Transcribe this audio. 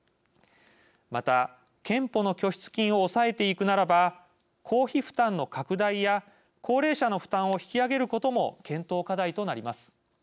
また、健保の拠出金を抑えていくならば公費負担の拡大や高齢者の負担を引き上げることも検討課題となります。